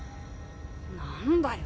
何だよ。